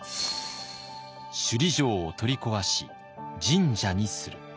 「首里城を取り壊し神社にする」。